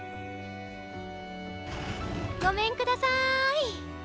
ごめんくださーい！